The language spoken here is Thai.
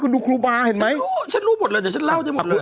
คุณดูครูบาเห็นไหมฉันรู้ฉันรู้หมดเลยแต่ฉันเล่าได้หมดเลย